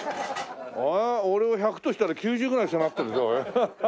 俺を１００としたら９０ぐらいに迫ってるぞ。